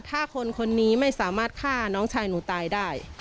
ถ้าคนคนนี้ไม่สามารถฆ่าน้องชายหนูตายได้